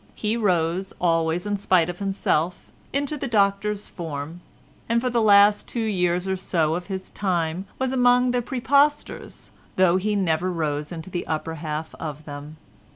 He rose, always in spite of himself, into the Doctor's form, and for the last two years or so of his time was among the præpostors, though he never rose into the upper half of them.